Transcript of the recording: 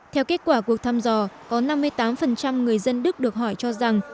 theo kết quả cuộc thăm dò có năm mươi tám người dân đức được hỏi cho rằng